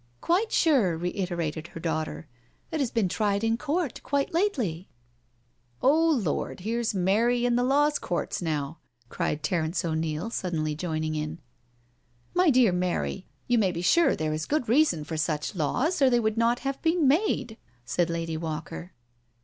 '" Quite sure," reiterated her daughter. " It has been tried in court — quite lately." " Oh Lord, here's Mary in the Law Courts now," cried Terence O'Neil, suddenly joining in. " My dear Mary, you may be sure there is good reason for such laws, or they would not have been made," said Lady Walker.